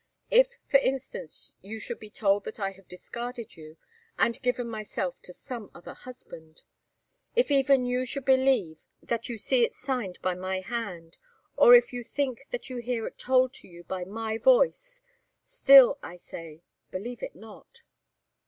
If, for instance, you should be told that I have discarded you, and given myself to some other husband; if even you should believe that you see it signed by my hand, or if you think that you hear it told to you by my voice—still, I say, believe it not."